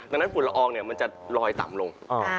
เพราะฉะนั้นฝุ่นละอองเนี่ยมันจะลอยต่ำลง